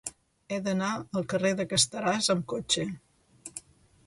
He d'anar al carrer de Casteràs amb cotxe.